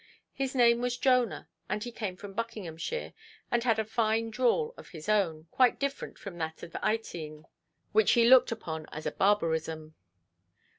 His name was Jonah, and he came from Buckinghamshire, and had a fine drawl of his own, quite different from that of Ytene, which he looked upon as a barbarism.